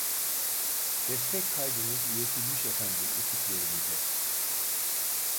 Destek kaydınız iletilmiş efendim ekiplerimize